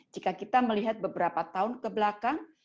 jika kita melihat beberapa tahun kebelakang